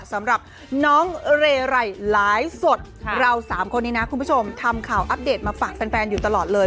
สำหรับน้องเรไรไลฟ์สดเราสามคนนี้นะคุณผู้ชมทำข่าวอัปเดตมาฝากแฟนอยู่ตลอดเลย